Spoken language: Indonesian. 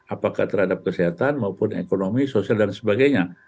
apakah terhadap kesehatan maupun ekonomi sosial dan sebagainya